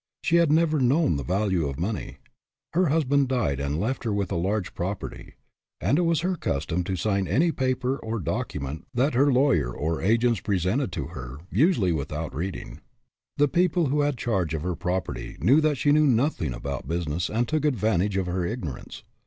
She had never known the value of money. Her hus band died and left her with a large property, and it was her custom to sign any paper or document that her lawyer or agents presented to her, usually without reading. The people who had charge of her property knew that she knew nothing about business and took advan tage of her ignorance.